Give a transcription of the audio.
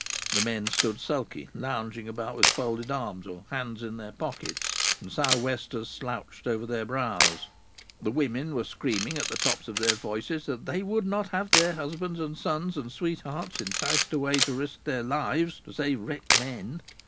The men stood sulky, lounging about with folded arms, or hands in their pockets, and sou' westers slouched over their brows. The women were screaming at the tops of their voices that they would not have their husbands and sons and sweethearts enticed away to risk their lives to save wrecked men.